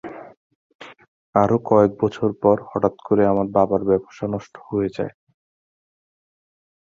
আরো কয়েক বছর পর হঠাত করে আমার বাবার ব্যবসা নষ্ট হয়ে যায়।